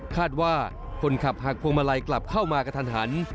คาดว่าคนขับหักพวงมาลัยกลับเข้ามากระทันหัน